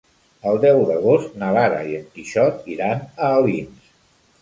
El deu d'agost na Lara i en Quixot iran a Alins.